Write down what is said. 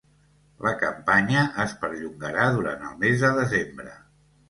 La campanya es perllongarà durant el mes de desembre.